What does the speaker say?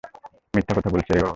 মিথ্যা কথা বলছে রে ও!